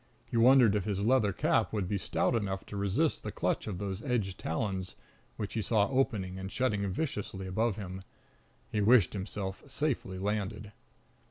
He wondered if his leather cap would be stout enough to resist the clutch of those edged talons which he saw opening and shutting viciously above him. He wished himself safely landed.